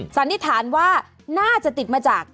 สันนิษฐานว่าน่าจะติดมาจาก